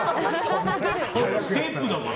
ステップだから。